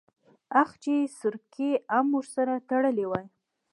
اخ چې سرګي ام ورسره تلی وای.